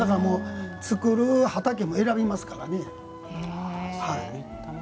作る畑も選びますからね。